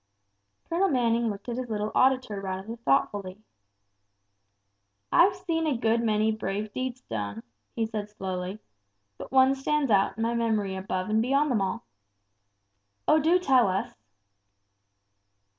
Colonel Manning looked at his little auditor rather thoughtfully. "I've seen a good many brave deeds done," he said, slowly; "but one stands out in my memory above and beyond them all." "Oh, do tell us."